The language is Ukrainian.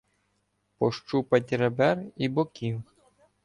Пощупать ребер і боків.